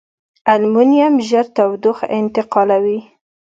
المونیم ژر تودوخه انتقالوي.